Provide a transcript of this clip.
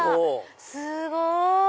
すごい！